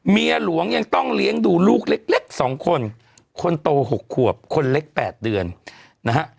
เมียหลวงยังต้องเลี้ยงดูลูกเล็ก๒คนคนโต๖ขวบคนเล็ก๘เดือนนะฮะ